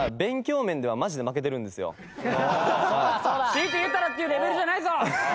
「強いて言ったら」っていうレベルじゃないぞ！